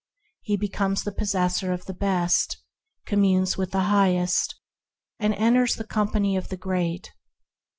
He becomes possessor of the Best, communes with the Highest, and enters the company of the Great.